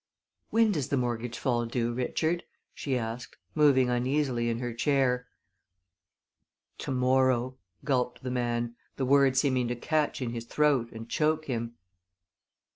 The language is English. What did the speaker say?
"When does the mortgage fall due, Richard?" she asked, moving uneasily in her chair. "To morrow," gulped the man, the word seeming to catch in his throat and choke him.